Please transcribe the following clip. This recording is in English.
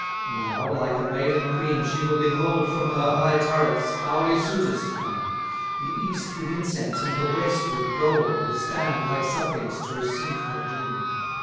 297 Now, like a maiden queen, she will behold, From her high turrets, hourly suitors come; The East with incense, and the West with gold, Will stand, like suppliants, to receive her doom!